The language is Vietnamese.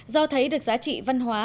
do thấy được giá trị văn hóa